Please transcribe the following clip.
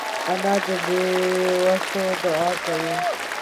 انا د بېوسو دعا کوي